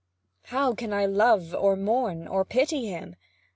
How can I love, or mourn, or pity him?